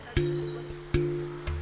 kursi rotan raksaten